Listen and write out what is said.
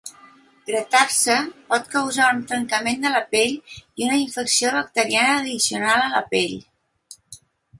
Gratar-se pot causar un trencament de la pell i una infecció bacteriana addicional a la pell.